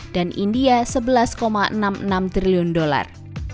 dan india sebelas enam puluh enam triliun dolar